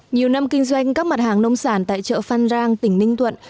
nhiều năm kinh doanh các mặt hàng nông sản tại chợ phan rang tỉnh ninh thuận